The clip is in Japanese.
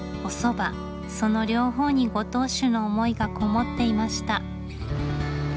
その両方にご当主の思いがこもっていました。